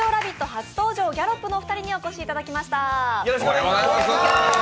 初登場、ギャロップのお二人にお越しいただきました。